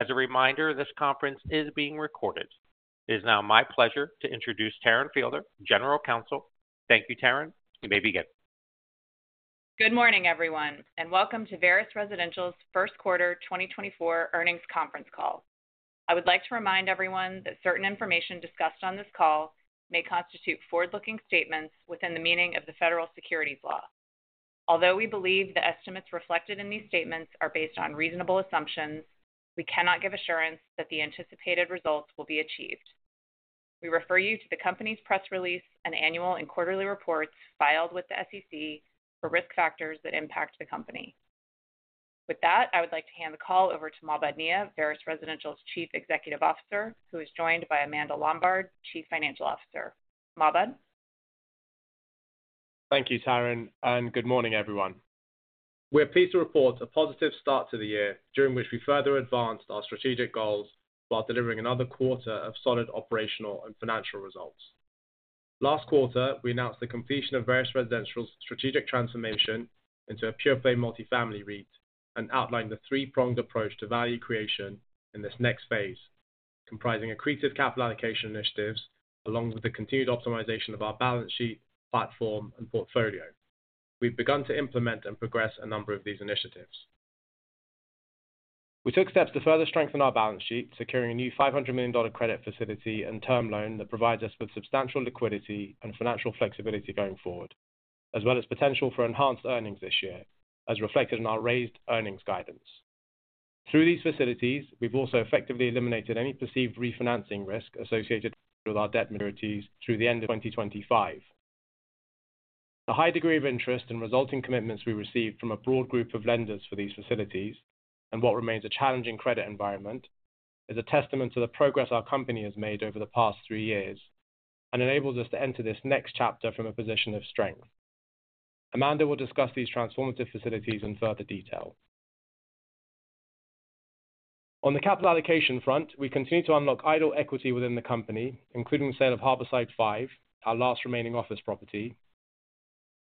As a reminder, this conference is being recorded. It is now my pleasure to introduce Taryn Fielder, General Counsel. Thank you, Taryn. You may begin. Good morning, everyone, and welcome to Veris Residential's first quarter 2024 earnings conference call. I would like to remind everyone that certain information discussed on this call may constitute forward-looking statements within the meaning of the Federal Securities Law. Although we believe the estimates reflected in these statements are based on reasonable assumptions, we cannot give assurance that the anticipated results will be achieved. We refer you to the company's press release and annual and quarterly reports filed with the SEC for risk factors that impact the company. I would like to hand the call over to Mahbod Nia, Veris Residential's Chief Executive Officer, who is joined by Amanda Lombard, Chief Financial Officer. Mahbod? Thank you, Taryn, and good morning, everyone. We're pleased to report a positive start to the year, during which we further advanced our strategic goals while delivering another quarter of solid operational and financial results. Last quarter, we announced the completion of Veris Residential's strategic transformation into a pure-play multifamily REIT, and outlined the three-pronged approach to value creation in this next phase, comprising accretive capital allocation initiatives, along with the continued optimization of our balance sheet, platform, and portfolio. We've begun to implement and progress a number of these initiatives. We took steps to further strengthen our balance sheet, securing a new $500 million credit facility and term loan that provides us with substantial liquidity and financial flexibility going forward, as well as potential for enhanced earnings this year, as reflected in our raised earnings guidance. Through these facilities, we've also effectively eliminated any perceived refinancing risk associated with our debt maturities through the end of 2025. The high degree of interest and resulting commitments we received from a broad group of lenders for these facilities, and what remains a challenging credit environment, is a testament to the progress our company has made over the past three years and enables us to enter this next chapter from a position of strength. Amanda will discuss these transformative facilities in further detail. On the capital allocation front, we continue to unlock idle equity within the company, including the sale of Harborside 5, our last remaining office property,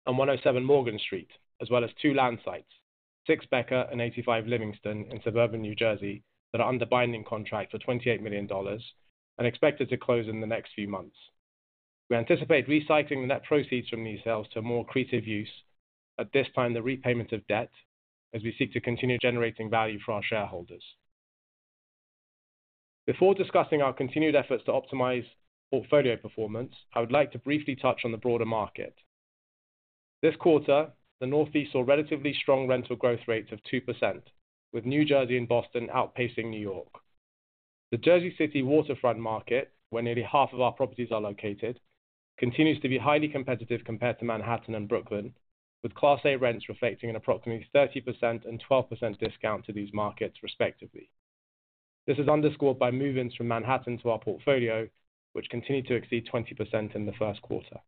and 107 Morgan Street, as well as two land sites, 6 Becker and 85 Livingston in suburban New Jersey, that are under binding contract for $28 million and expected to close in the next few months. We anticipate recycling the net proceeds from these sales to more accretive use, at this time, the repayment of debt, as we seek to continue generating value for our shareholders. Before discussing our continued efforts to optimize portfolio performance, I would like to briefly touch on the broader market. This quarter, the Northeast saw relatively strong rental growth rates of 2%, with New Jersey and Boston outpacing New York. The Jersey City waterfront market, where nearly half of our properties are located, continues to be highly competitive compared to Manhattan and Brooklyn, with Class A rents reflecting an approximately 30% and 12% discount to these markets respectively. This is underscored by move-ins from Manhattan to our portfolio, which continued to exceed 20% in the first quarter.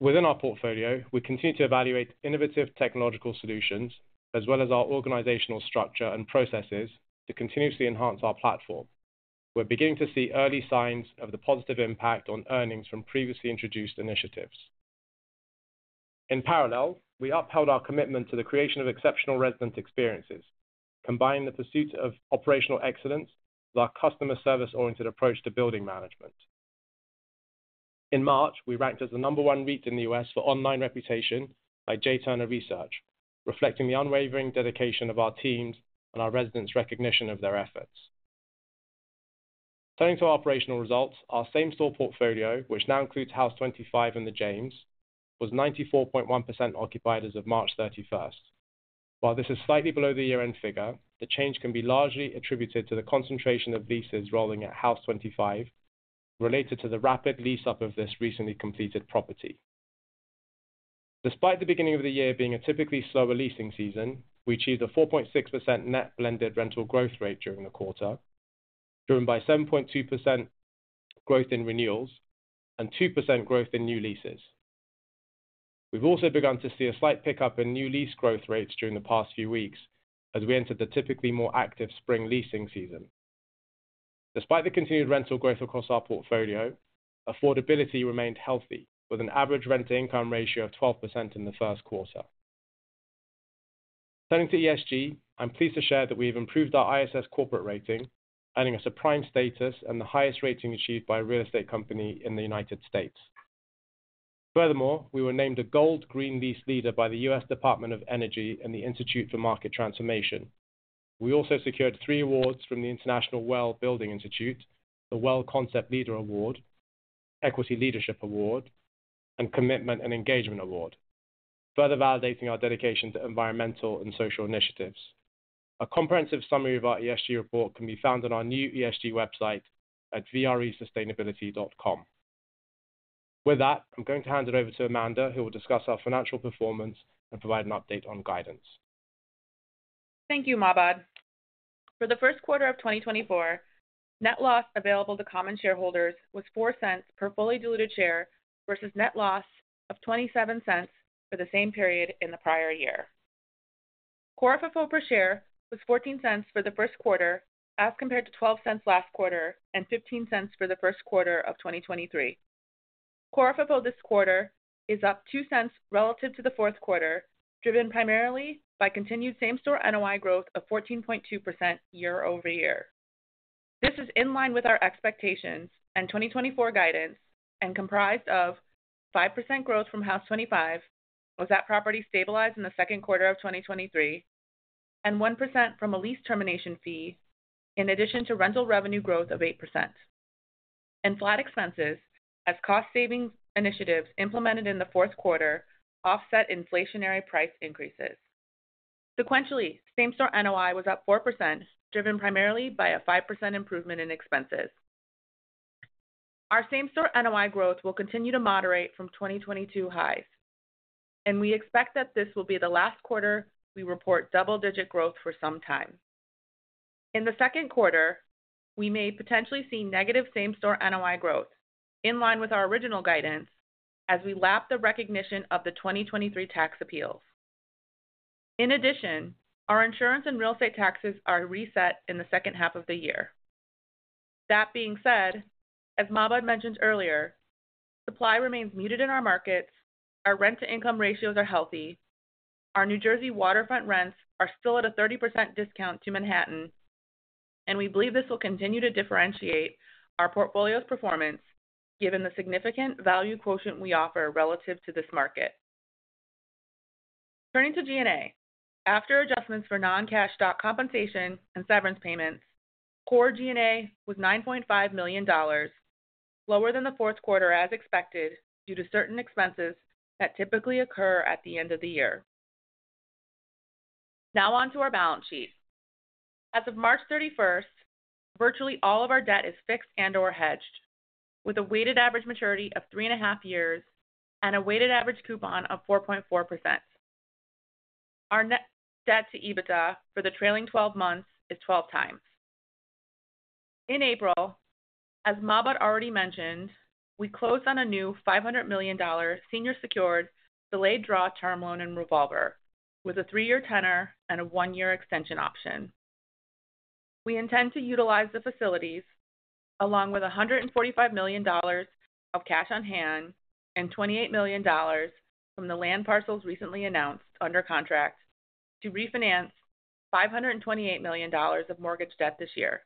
Within our portfolio, we continue to evaluate innovative technological solutions, as well as our organizational structure and processes to continuously enhance our platform. We're beginning to see early signs of the positive impact on earnings from previously introduced initiatives. In parallel, we upheld our commitment to the creation of exceptional resident experiences, combining the pursuit of operational excellence with our customer service-oriented approach to building management. In March, we ranked as the number one REIT in the U.S. for online reputation by J. Turner Research, reflecting the unwavering dedication of our teams and our residents' recognition of their efforts. Turning to operational results, our same store portfolio, which now includes Haus25 and The James, was 94.1% occupied as of March 31st. While this is slightly below the year-end figure, the change can be largely attributed to the concentration of leases rolling at Haus25, related to the rapid lease-up of this recently completed property. Despite the beginning of the year being a typically slower leasing season, we achieved a 4.6% net blended rental growth rate during the quarter, driven by 7.2% growth in renewals and 2% growth in new leases. We've also begun to see a slight pickup in new lease growth rates during the past few weeks as we entered the typically more active spring leasing season. Despite the continued rental growth across our portfolio, affordability remained healthy, with an average rent-to-income ratio of 12% in the first quarter. Turning to ESG, I'm pleased to share that we've improved our ISS corporate rating, earning us a prime status and the highest rating achieved by a real estate company in the United States. Furthermore, we were named a Gold Green Lease Leader by the U.S. Department of Energy and the Institute for Market Transformation. We also secured three awards from the International WELL Building Institute: the WELL Concept Leader Award, Equity Leadership Award, and Commitment and Engagement Award, further validating our dedication to environmental and social initiatives. A comprehensive summary of our ESG report can be found on our new ESG website at vresustainability.com. With that, I'm going to hand it over to Amanda, who will discuss our financial performance and provide an update on guidance. Thank you, Mahbod. For the first quarter of 2024, net loss available to common shareholders was $0.04 per fully diluted share versus net loss of $0.27 for the same period in the prior year. Core FFO per share was $0.14 for the first quarter, as compared to $0.12 last quarter and $0.15 for the first quarter of 2023. Core FFO this quarter is up $0.02 relative to the fourth quarter, driven primarily by continued same store NOI growth of 14.2% year-over-year. This is in line with our expectations and 2024 guidance, and comprised of 5% growth from Haus25, with that property stabilized in the second quarter of 2023, and 1% from a lease termination fee, in addition to rental revenue growth of 8%. Flat expenses as cost savings initiatives implemented in the fourth quarter offset inflationary price increases. Sequentially, same store NOI was up 4%, driven primarily by a 5% improvement in expenses. Our same store NOI growth will continue to moderate from 2022 highs, and we expect that this will be the last quarter we report double-digit growth for some time. In the second quarter, we may potentially see negative same-store NOI growth, in line with our original guidance, as we lap the recognition of the 2023 tax appeals. In addition, our insurance and real estate taxes are reset in the second half of the year. That being said, as Mahbod mentioned earlier, supply remains muted in our markets, our rent-to-income ratios are healthy, our New Jersey waterfront rents are still at a 30% discount to Manhattan, and we believe this will continue to differentiate our portfolio's performance given the significant value quotient we offer relative to this market. Turning to G&A. After adjustments for non-cash stock compensation and severance payments, core G&A was $9.5 million, lower than the fourth quarter as expected, due to certain expenses that typically occur at the end of the year. Now on to our balance sheet. As of March 31, virtually all of our debt is fixed and/or hedged, with a weighted average maturity of 3.5 years and a weighted average coupon of 4.4%. Our net debt to EBITDA for the trailing twelve months is 12x. In April, as Mahbod already mentioned, we closed on a new $500 million senior secured delayed draw term loan and revolver, with a 3-year tenor and a 1-year extension option. We intend to utilize the facilities, along with $145 million of cash on hand and $28 million from the land parcels recently announced under contract, to refinance $528 million of mortgage debt this year,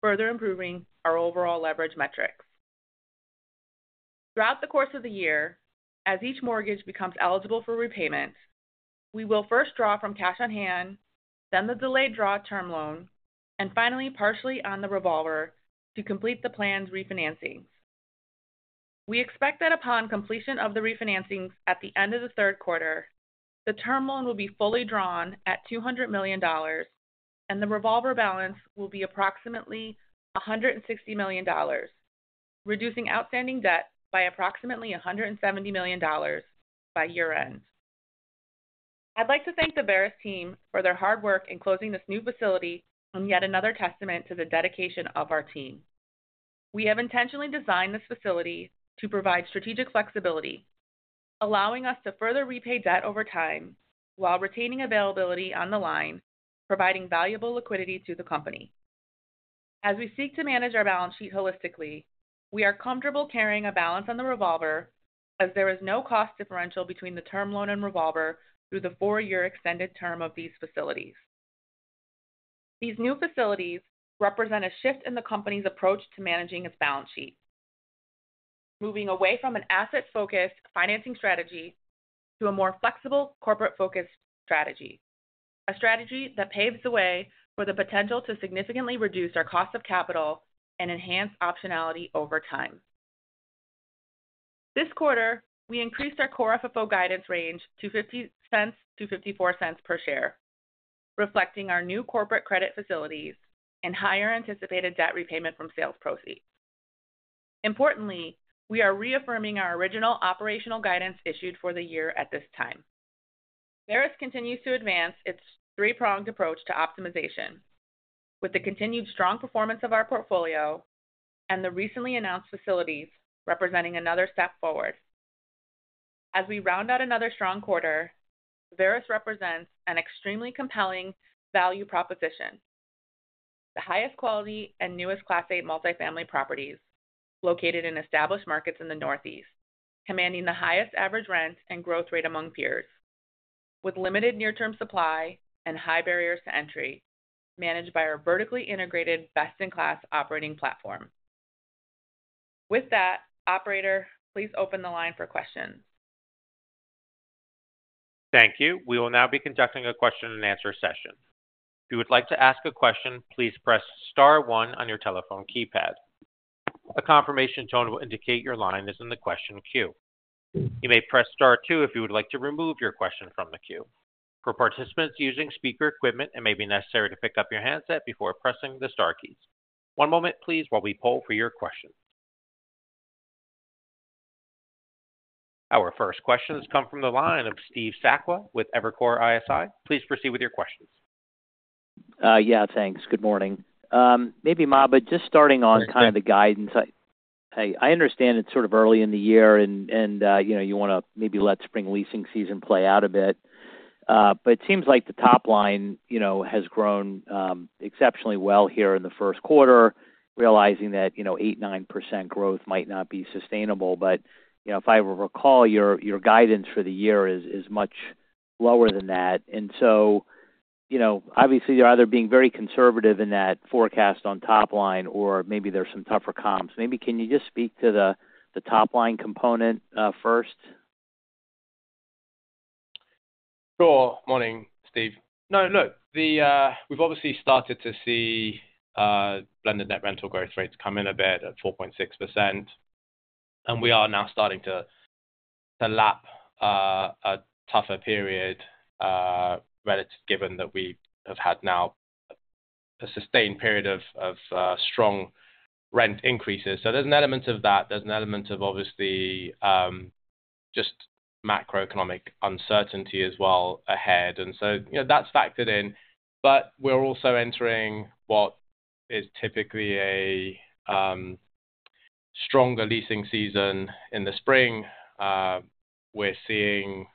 further improving our overall leverage metrics. Throughout the course of the year, as each mortgage becomes eligible for repayment, we will first draw from cash on hand, then the delayed draw term loan, and finally partially on the revolver to complete the planned refinancing. We expect that upon completion of the refinancings at the end of the third quarter, the term loan will be fully drawn at $200 million, and the revolver balance will be approximately $160 million, reducing outstanding debt by approximately $170 million by year-end. I'd like to thank the Veris team for their hard work in closing this new facility as yet another testament to the dedication of our team. We have intentionally designed this facility to provide strategic flexibility, allowing us to further repay debt over time while retaining availability on the line, providing valuable liquidity to the company. As we seek to manage our balance sheet holistically, we are comfortable carrying a balance on the revolver as there is no cost differential between the term loan and revolver through the four-year extended term of these facilities. These new facilities represent a shift in the company's approach to managing its balance sheet, moving away from an asset focused financing strategy to a more flexible, corporate focused strategy. A strategy that paves the way for the potential to significantly reduce our cost of capital and enhance optionality over time. This quarter, we increased our Core FFO guidance range to $0.50-$0.54 per share, reflecting our new corporate credit facilities and higher anticipated debt repayment from sales proceeds. Importantly, we are reaffirming our original operational guidance issued for the year at this time. Veris continues to advance its three-pronged approach to optimization, with the continued strong performance of our portfolio and the recently announced facilities representing another step forward. As we round out another strong quarter, Veris represents an extremely compelling value proposition. The highest quality and newest Class A multifamily properties located in established markets in the Northeast, commanding the highest average rent and growth rate among peers, with limited near-term supply and high barriers to entry, managed by our vertically integrated, best-in-class operating platform. With that, operator, please open the line for questions. Thank you. We will now be conducting a question and answer session. If you would like to ask a question, please press star one on your telephone keypad. A confirmation tone will indicate your line is in the question queue. You may press star two if you would like to remove your question from the queue. For participants using speaker equipment, it may be necessary to pick up your handset before pressing the star keys. One moment, please, while we poll for your question. Our first question has come from the line of Steve Sakwa with Evercore ISI. Please proceed with your questions. Yeah, thanks. Good morning. Maybe, Mahbod, just starting on kind of the guidance. I understand it's sort of early in the year and you know, you want to maybe let spring leasing season play out a bit. It seems like the top line, has grown exceptionally well here in the first quarter, realizing that, you know, 8-9% growth might not be sustainable. If I recall, your guidance for the year is much lower than that. Obviously, you're either being very conservative in that forecast on top line, or maybe there are some tougher comps. Can you just speak to the top-line component first? Sure. Morning, Steve. No, look, we've obviously started to see blended net rental growth rates come in a bit at 4.6%, and we are now starting to lap a tougher period relative given that we have had now a sustained period of strong rent increases. There's an element of that. There's an element of, obviously, just macroeconomic uncertainty as well ahead. That's factored in, we're also entering what is typically a stronger leasing season in the spring. We're seeing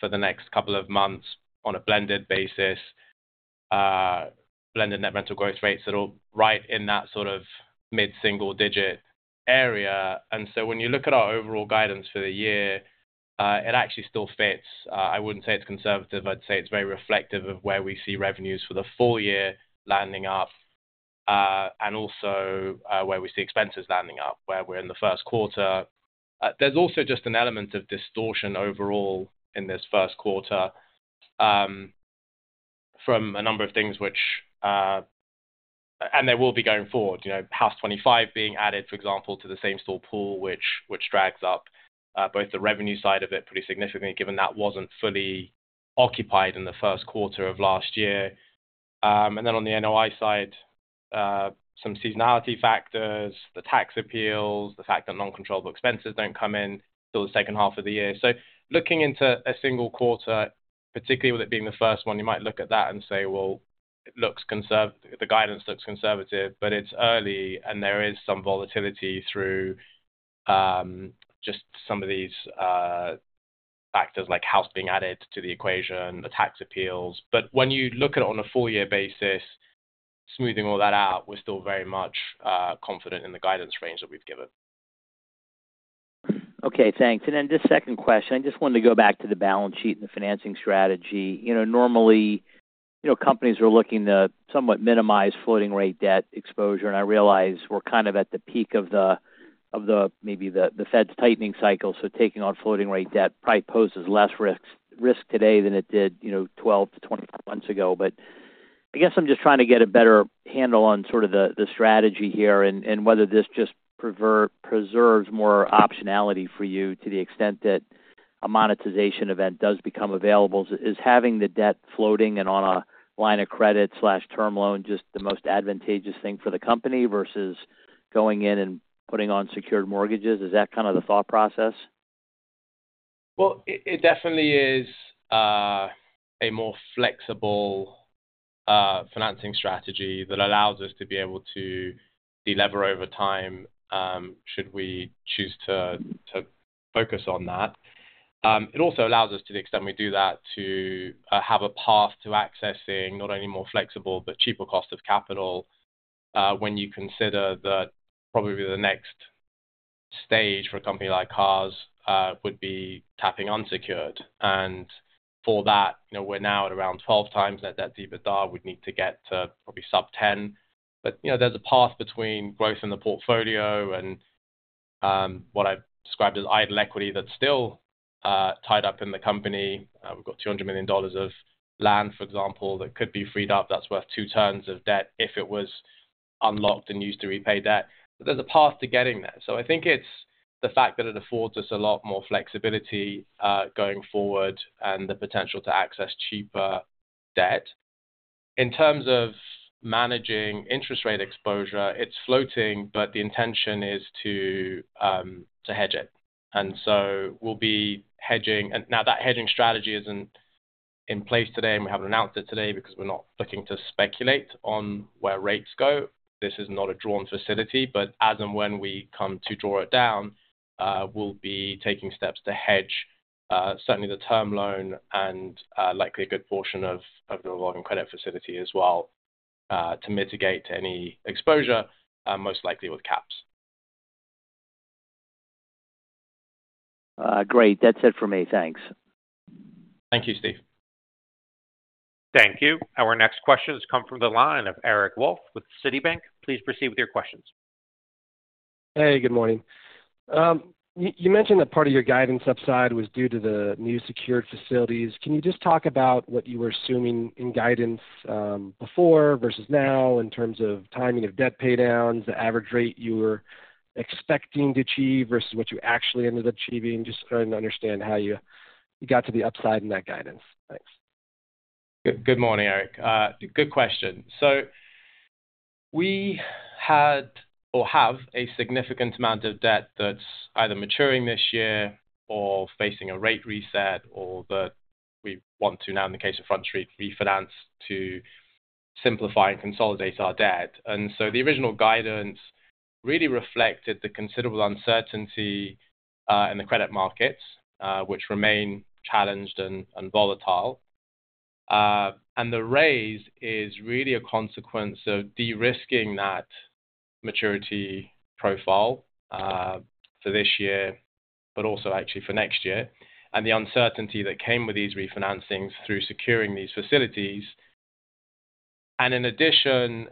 for the next couple of months, on a blended basis, blended net rental growth rates that are right in that sort of mid-single digit area. When you look at our overall guidance for the year, it actually still fits. I wouldn't say it's conservative. I'd say it's very reflective of where we see revenues for the full year lining up, and also where we see expenses lining up, where we're in the first quarter. There's also just an element of distortion overall in this first quarter from a number of things which... they will be going forward, you know, Haus25 being added, for example, to the same store portfolio, which drags up both the revenue side of it pretty significantly, given that wasn't fully occupied in the first quarter of last year. On the NOI side, some seasonality factors, the tax appeals, the fact that non-controllable expenses don't come in till the second half of the year. Looking into a single quarter, particularly with it being the first one, you might look at that and say, "Well, the guidance looks conservative," but it's early and there is some volatility through, just some of these factors, like Haus being added to the equation, the tax appeals. When you look at it on a full year basis, smoothing all that out, we're still very much confident in the guidance range that we've given. Okay, thanks. second question, I just wanted to go back to the balance sheet and the financing strategy. You know, normally, you know, companies are looking to somewhat minimize floating rate debt exposure, and I realize we're kind of at the peak of the, maybe the Fed's tightening cycle. taking on floating rate debt probably poses less risk today than it did, you know, 12-24 months ago. I guess I'm just trying to get a better handle on sort of the strategy here and whether this just preserves more optionality for you to the extent that a monetization event does become available. Is having the debt floating and on a line of credit/term loan just the most advantageous thing for the company versus going in and putting on secured mortgages? Is that kind of the thought process? Well, it definitely is a more flexible financing strategy that allows us to be able to delever over time, should we choose to focus on that. It also allows us, to the extent we do that, to have a path to accessing not only more flexible but cheaper cost of capital, when you consider that probably the next stage for a company like ours would be tapping unsecured. You know, we're now at around 12x net debt to EBITDA. We'd need to get to probably sub-10. There's a path between growth in the portfolio and what I've described as idle equity that's still tied up in the company. We've got $200 million of land, for example, that could be freed up, that's worth two turns of debt if it was unlocked and used to repay debt. There's a path to getting there. I think it's the fact that it affords us a lot more flexibility, going forward and the potential to access cheaper debt. In terms of managing interest rate exposure, it's floating, but the intention is to hedge it. And so we'll be hedging... And now that hedging strategy isn't in place today, and we haven't announced it today because we're not looking to speculate on where rates go. This is not a drawn facility, but as and when we come to draw it down, we'll be taking steps to hedge, certainly the term loan and likely a good portion of the revolving credit facility as well, to mitigate any exposure, most likely with caps. Great. That's it for me. Thanks. Thank you, Steve. Thank you. Our next question has come from the line of Eric Wolfe with Citibank. Please proceed with your questions. Hey, good morning. You mentioned that part of your guidance upside was due to the new secured facilities. Can you just talk about what you were assuming in guidance before versus now in terms of timing of debt pay downs, the average rate you were expecting to achieve versus what you actually ended up achieving? Just trying to understand how you got to the upside in that guidance. Thanks. Good morning, Eric. Good question. We had or have a significant amount of debt that's either maturing this year or facing a rate reset or that we want to, now in the case of Front Street, refinance to simplify and consolidate our debt. The original guidance really reflected the considerable uncertainty in the credit markets, which remain challenged and volatile. The raise is really a consequence of de-risking that maturity profile for this year, but also actually for next year, and the uncertainty that came with these refinancings through securing these facilities. In addition,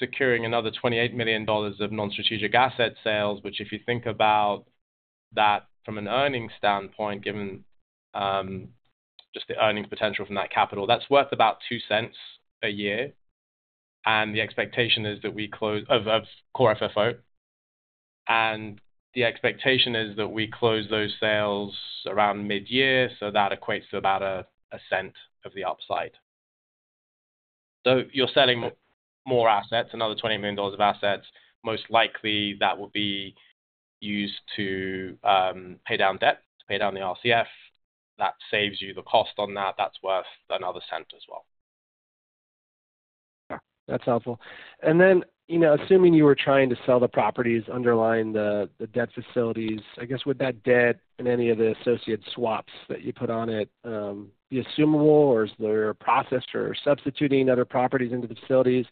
securing another $28 million of non-strategic asset sales, which if you think about that from an earnings standpoint, given just the earnings potential from that capital, that's worth about $0.02 a year. The expectation is that we close out of Core FFO, and the expectation is that we close those sales around mid-year, so that equates to about $0.01 of the upside. You're selling more assets, another $20 million of assets. Most likely, that will be used to pay down debt, to pay down the RCF. That saves you the cost on that. That's worth another $0.01 as well. Yeah, that's helpful. Assuming you were trying to sell the properties underlying the, the debt facilities, I guess, would that debt and any of the associated swaps that you put on it, be assumable, or is there a process for substituting other properties into the facilities?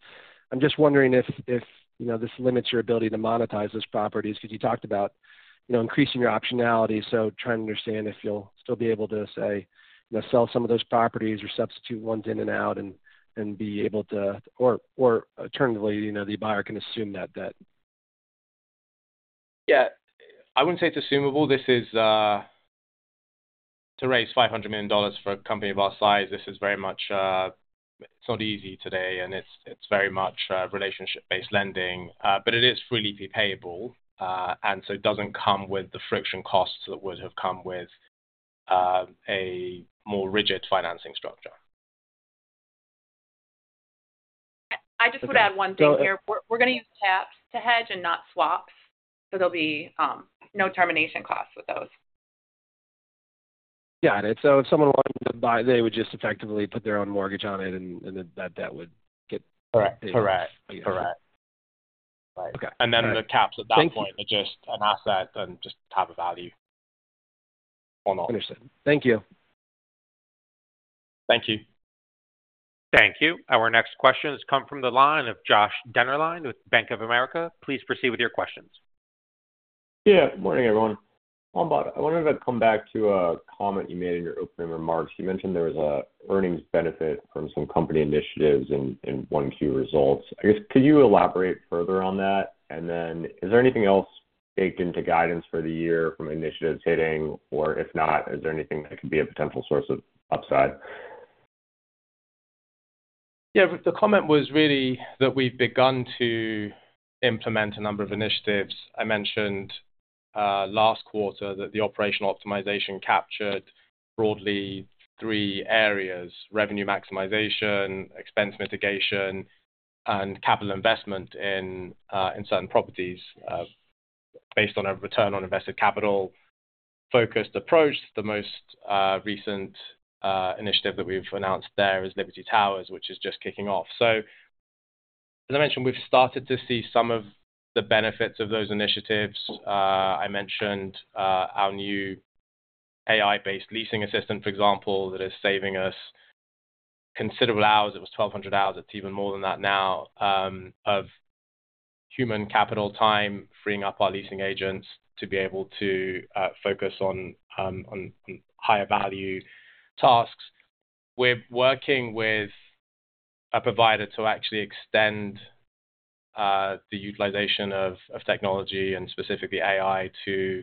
I'm just wondering if, if, you know, this limits your ability to monetize those properties, because you talked about, you know, increasing your optionality. Trying to understand if you'll still be able to say, you know, sell some of those properties or substitute ones in and out and, and be able to... or, or alternatively, you know, the buyer can assume that debt. Yeah. I wouldn't say it's assumable. This is, to raise $500 million for a company of our size, this is very much, it's not easy today, and it's, it's very much, relationship-based lending, but it is fully payable, and so it doesn't come with the friction costs that would have come with, a more rigid financing structure. I just would add one thing here. We're gonna use caps to hedge and not swaps, so there'll be no termination costs with those. Got it. So if someone wanted to buy, they would just effectively put their own mortgage on it, and then that debt would get- Correct. Correct, correct. Okay. And then the caps at that point- Thank you. Are just an asset and just top of value on all. Understood. Thank you. Thank you. Thank you. Our next question has come from the line of Josh Dennerline with Bank of America. Please proceed with your questions. Yeah, good morning, everyone. Amanda, I wondered if I'd come back to a comment you made in your opening remarks. You mentioned there was a earnings benefit from some company initiatives in, in 1Q results. I guess, could you elaborate further on that? is there anything else baked into guidance for the year from initiatives hitting, or if not, is there anything that could be a potential source of upside? Yeah, the comment was really that we've begun to implement a number of initiatives. I mentioned last quarter that the operational optimization captured broadly three areas: revenue maximization, expense mitigation, and capital investment in certain properties based on a return on invested capital-focused approach. The most recent initiative that we've announced there is Liberty Towers, which is just kicking off. As I mentioned, we've started to see some of the benefits of those initiatives. I mentioned our new AI-based leasing assistant, for example, that is saving us considerable hours. It was 1,200 hours, it's even more than that now, of human capital time, freeing up our leasing agents to be able to focus on higher value tasks. We're working with a provider to actually extend the utilization of technology and specifically AI, to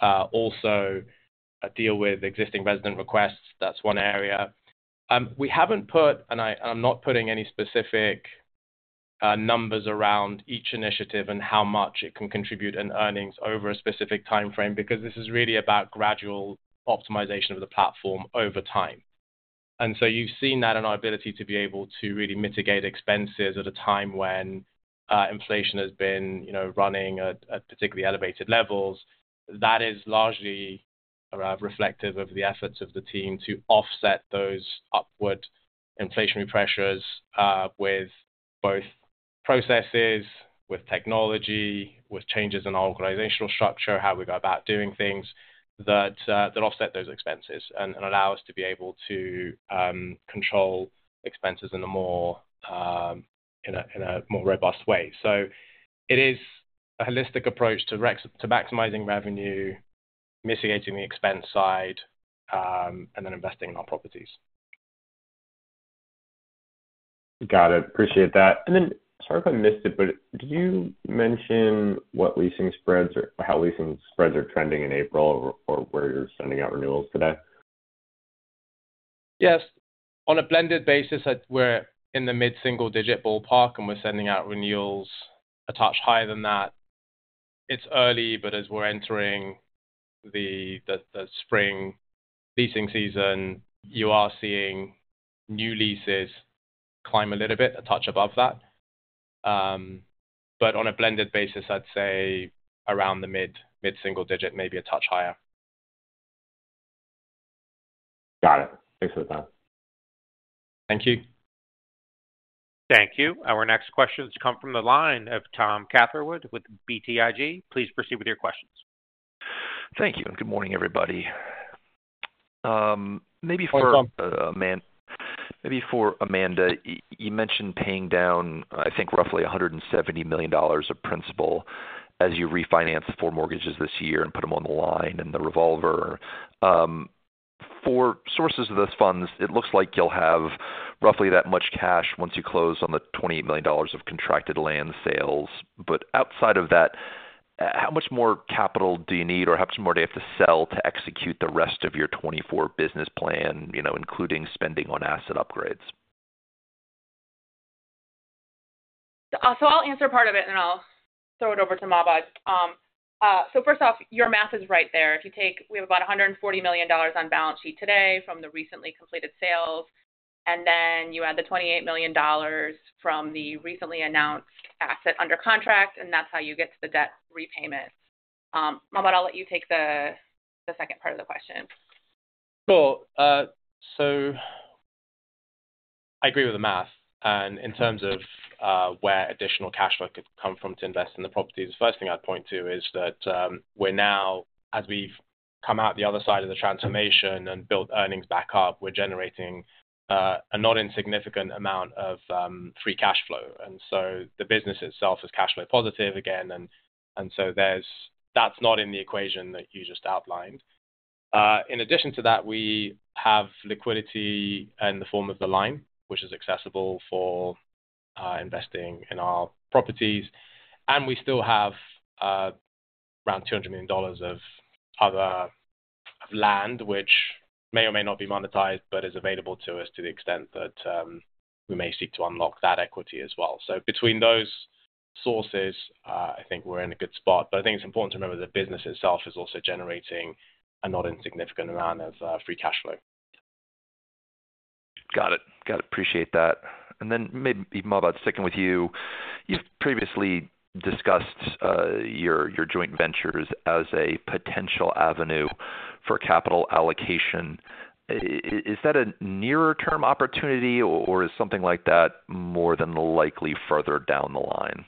also deal with existing resident requests. That's one area. We haven't put, and I'm not putting any specific numbers around each initiative and how much it can contribute in earnings over a specific time frame, because this is really about gradual optimization of the platform over time. You've seen that in our ability to be able to really mitigate expenses at a time when inflation has been, you know, running at particularly elevated levels. That is largely reflective of the efforts of the team to offset those upward inflationary pressures with both processes, with technology, with changes in organizational structure, how we go about doing things that offset those expenses and allow us to be able to control expenses in a more robust way. It is a holistic approach to maximizing revenue, mitigating the expense side, and then investing in our properties. Got it. Appreciate that. Sorry if I missed it, but did you mention what leasing spreads or how leasing spreads are trending in April, or where you're sending out renewals today? Yes. On a blended basis, we're in the mid-single digit ballpark, and we're sending out renewals a touch higher than that. It's early, but as we're entering the spring leasing season, you are seeing new leases climb a little bit, a touch above that. On a blended basis, I'd say around the mid-single digit, maybe a touch higher. Got it. Thanks for the time. Thank you. Thank you. Our next question has come from the line of Tom Catherwood with BTIG. Please proceed with your questions. Thank you, and good morning, everybody. Maybe for- Hi, Tom. Amanda, maybe for Amanda. You mentioned paying down, I think, roughly $170 million of principal as you refinance four mortgages this year and put them on the line in the revolver. For sources of those funds, it looks like you'll have roughly that much cash once you close on the $28 million of contracted land sales. Outside of that, how much more capital do you need, or how much more do you have to sell to execute the rest of your 2024 business plan, you know, including spending on asset upgrades? I'll answer part of it, and then I'll throw it over to Mahbod. So first off, your math is right there. If you take... We have about $140 million on balance sheet today from the recently completed sales, and then you add the $28 million from the recently announced asset under contract, and that's how you get to the debt repayment. Mahbod, I'll let you take the second part of the question. Sure. I agree with the math. In terms of where additional cash flow could come from to invest in the properties, the first thing I'd point to is that we're now, as we've come out the other side of the transformation and built earnings back up, we're generating a not insignificant amount of free cash flow. The business itself is cash flow positive again, and so there's that. That's not in the equation that you just outlined. In addition to that, we have liquidity in the form of the line, which is accessible for investing in our properties, and we still have around $200 million of other land, which may or may not be monetized, but is available to us to the extent that we may seek to unlock that equity as well. Between those sources, I think we're in a good spot. But I think it's important to remember the business itself is also generating a not insignificant amount of free cash flow. Got it. Got it. Appreciate that. Then maybe, Mahbod, sticking with you, you've previously discussed your joint ventures as a potential avenue for capital allocation. Is that a nearer term opportunity, or is something like that more than likely further down the line?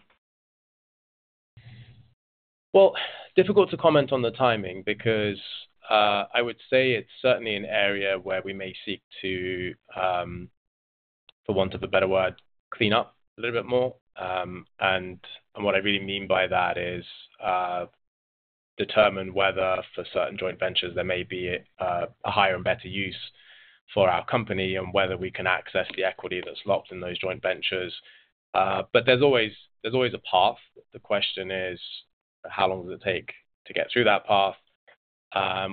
Well, difficult to comment on the timing because I would say it's certainly an area where we may seek to, for want of a better word, clean up a little bit more. What I really mean by that is determine whether for certain joint ventures, there may be a higher and better use for our company and whether we can access the equity that's locked in those joint ventures. There's always, there's always a path. The question is, how long does it take to get through that path?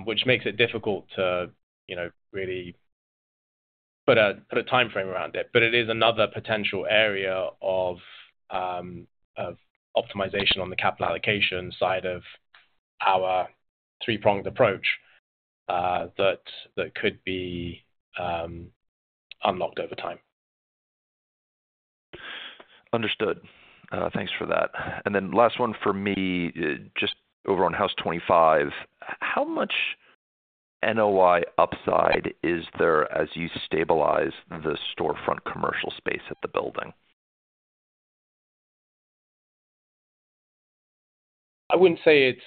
Which makes it difficult to, you know, really put a timeframe around it, but it is another potential area of optimization on the capital allocation side of our three-pronged approach that could be unlocked over time. Understood. Thanks for that. Last one for me, just over on Haus25, how much NOI upside is there as you stabilize the storefront commercial space at the building? I wouldn't say it's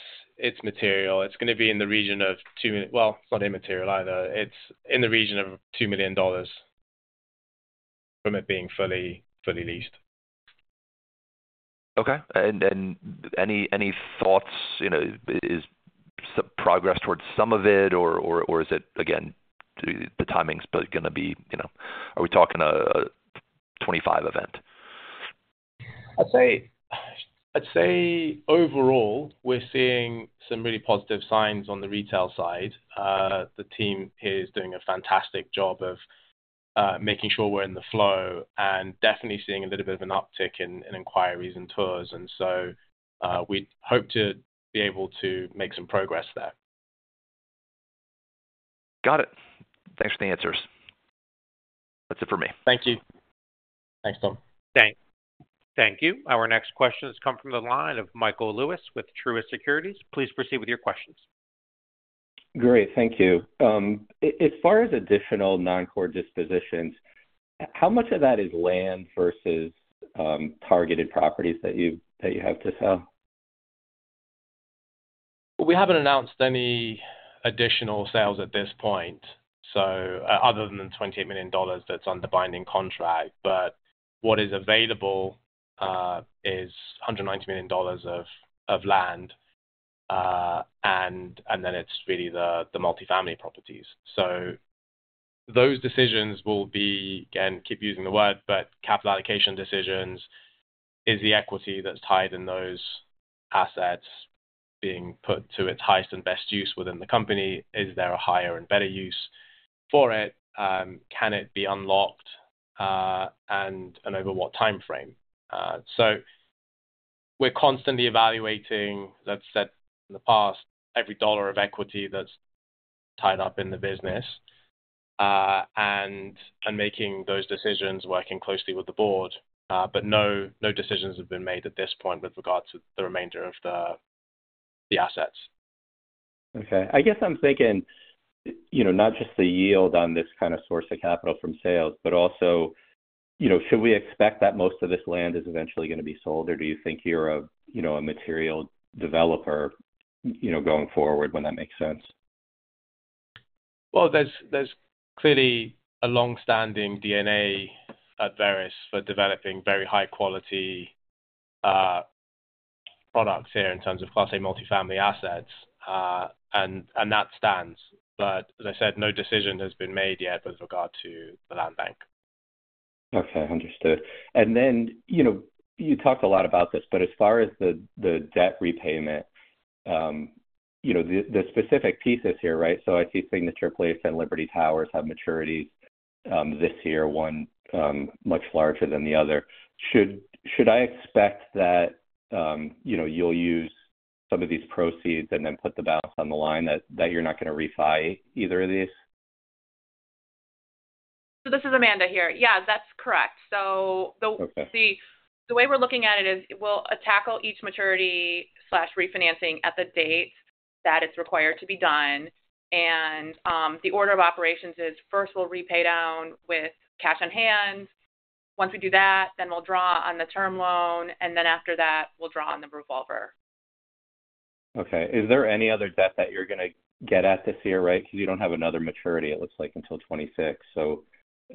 material. It's gonna be in the region of two Well, it's not immaterial either. It's in the region of $2 million from it being fully, fully leased. Okay. Any thoughts, you know, is some progress towards some of it, or is it, again, the timing's gonna be, you know... Are we talking a 25 event? I'd say overall, we're seeing some really positive signs on the retail side. The team here is doing a fantastic job of making sure we're in the flow and definitely seeing a little bit of an uptick in inquiries and tours, and so, we hope to be able to make some progress there. Got it. Thanks for the answers. That's it for me. Thank you. Thanks, Tom. Thank you. Our next question has come from the line of Michael Lewis with Truist Securities. Please proceed with your questions. Great. Thank you. As far as additional non-core dispositions, how much of that is land versus targeted properties that you have to sell? We haven't announced any additional sales at this point, so other than the $28 million, that's under binding contract. What is available is $190 million of land, and then it's really the multifamily properties. Those decisions will be, again, keep using the word, but capital allocation decisions, is the equity that's tied in those assets being put to its highest and best use within the company? Is there a higher and better use for it? Can it be unlocked, and over what timeframe? We're constantly evaluating, let's set the past, every dollar of equity that's tied up in the business, and making those decisions, working closely with the board. But no decisions have been made at this point with regard to the remainder of the assets. Okay. I guess I'm thinking, you know, not just the yield on this kind of source of capital from sales, but also, you know, should we expect that most of this land is eventually gonna be sold, or do you think you're a, you know, a material developer, you know, going forward when that makes sense? Well, there's clearly a long-standing DNA at Veris for developing very high quality products here in terms of Class A multifamily assets. And that stands. As I said, no decision has been made yet with regard to the land bank. Okay, understood. And then, you know, you talked a lot about this, but as far as the debt repayment, the specific pieces here, right? I see Signature Place and Liberty Towers have maturities this year, one much larger than the other. Should I expect that, you know, you'll use some of these proceeds and then put the balance on the line that you're not gonna refi either of these? This is Amanda here. Yeah, that's correct. So the- Okay. The way we're looking at it is, we'll tackle each maturity/refinancing at the date that it's required to be done. And the order of operations is, first we'll repay down with cash on hand. Once we do that, then we'll draw on the term loan, and then after that, we'll draw on the revolver. Okay. Is there any other debt that you're gonna get at this year, right? Because you don't have another maturity, it looks like, until 2026.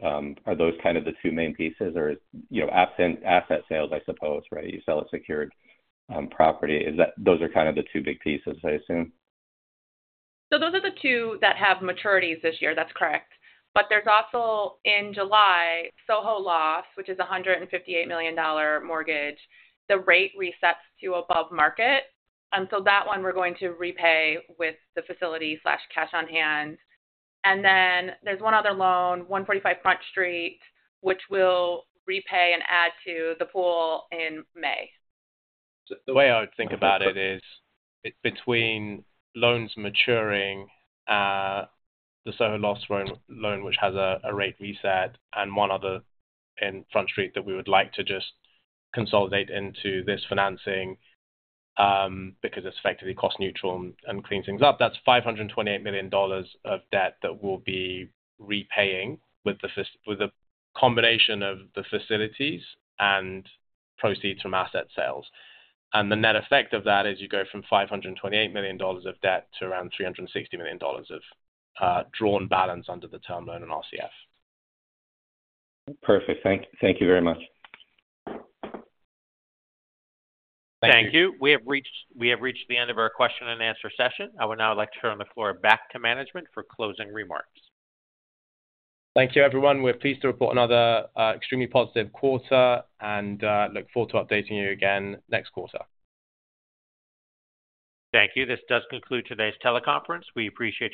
So, are those kind of the two main pieces or, you know, absent asset sales, I suppose, right? You sell a secured property. Is that—those are kind of the two big pieces, I assume? Those are the two that have maturities this year. That's correct. But there's also, in July, Soho Lofts, which is a $158 million mortgage, the rate resets to above market, and so that one we're going to repay with the facility or cash on hand. Then there's one other loan, 145 Front Street, which we'll repay and add to the pool in May. The way I would think about it is, between loans maturing, the Soho Lofts loan which has a rate reset and one other in Front Street that we would like to just consolidate into this financing, because it's effectively cost neutral and clean things up, that's $528 million of debt that we'll be repaying with a combination of the facilities and proceeds from asset sales. The net effect of that is you go from $528 million of debt to around $360 million of drawn balance under the term loan and RCF. Perfect. Thank you very much. Thank you. We have reached the end of our question and answer session. I would now like to turn the floor back to management for closing remarks. Thank you, everyone. We're pleased to report another extremely positive quarter and look forward to updating you again next quarter. Thank you. This does conclude today's teleconference. We appreciate.